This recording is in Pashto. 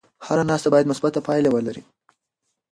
هره ناسته باید مثبته پایله ولري.